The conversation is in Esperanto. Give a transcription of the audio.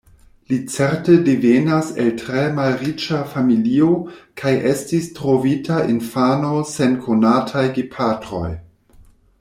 Li certe devenas el tre malriĉa familio, kaj estis trovita infano sen konataj gepatroj.